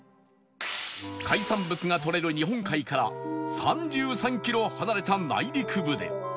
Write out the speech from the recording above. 海産物がとれる日本海から３３キロ離れた内陸部で